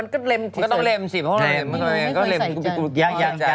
งั้นไม่เคย